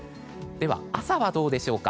朝はどうでしょうか。